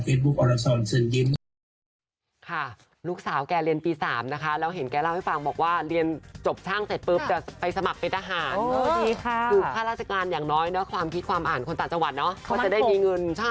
เฟซบุ๊คออรักษณ์ซึนดิน